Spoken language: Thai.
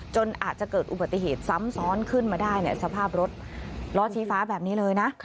จนอาจจะเกิดอุบัติเหตุซ้ำซ้อนขึ้นมาได้สภาพรถล้อชี้ฟ้าแบบนี้เลยนะ